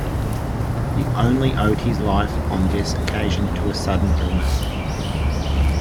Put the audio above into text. He only owed his life on this occasion to a sudden illness.